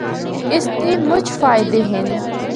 اس دی مُچ فائدے ہن۔